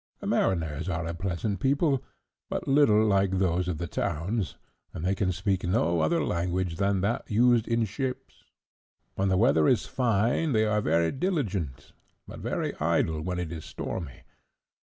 "The mariners are a pleasant people, but little like those of the towns, and they can speak no other language than that used in ships. When the weather is fine they are very diligent, but very idle, when it is stormy.